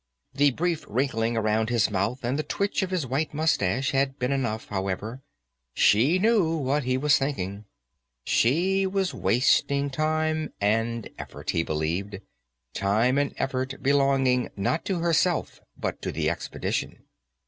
The brief wrinkling around his mouth and the twitch of his white mustache had been enough, however; she knew what he was thinking. She was wasting time and effort, he believed; time and effort belonging not to herself but to the expedition.